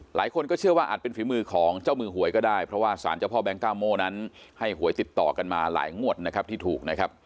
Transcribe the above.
หลายคนก็เชื่อว่าอาจเป็นฝีมือของเจ้ามือหวยก็ได้เพราะว่าสารเจ้าพ่อแก๊งก้าโม่นั้นให้หวยติดต่อกันมาหลายงวดนะครับที่ถูกนะครับ